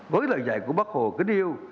với lời dạy của bác hồ kính yêu